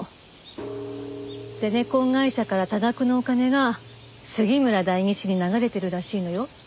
ゼネコン会社から多額のお金が杉村代議士に流れているらしいのよ。